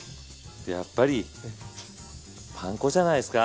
やっぱりパン粉じゃないですか？